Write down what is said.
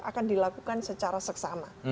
akan dilakukan secara seksama